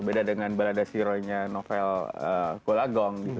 beda dengan baladashiroi novel golagong gitu